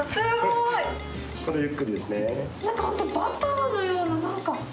何か本当バターのような何か。